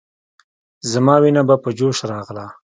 زما وينه به په جوش راغله.